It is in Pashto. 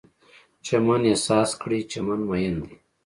چمن احساس کړئ، چمن میین دی